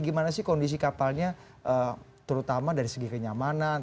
gimana sih kondisi kapalnya terutama dari segi kenyamanan